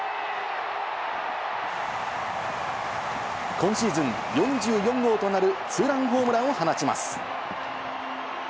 今シーズン４４号となるツーランホームランを放ちます。